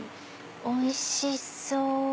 おいしそう！